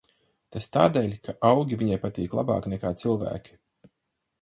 Tas tādēļ, ka augi viņai patīk labāk nekā cilvēki.